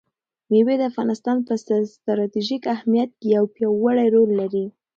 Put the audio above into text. مېوې د افغانستان په ستراتیژیک اهمیت کې یو پیاوړی رول لري.